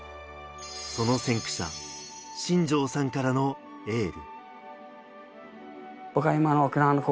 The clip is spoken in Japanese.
その先駆者、新城さんからのエール。